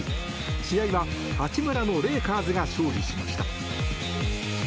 試合は八村のレイカーズが勝利しました。